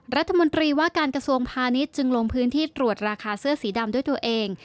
รัฐมนตรีว่าการกระทรวงพาณิชย์จึงลงพื้นที่ตรวจราคาเสื้อสีดำด้วยตัวเอง